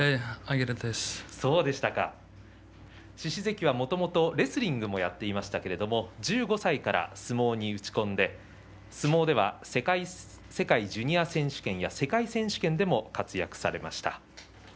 獅司関はもともとレスリングをやっていますけど、１５歳から相撲に打ち込んで相撲では世界ジュニア選手権や世界選手権でも活躍されました。